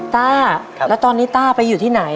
ต้าแล้วตอนนี้ต้าไปอยู่ที่ไหน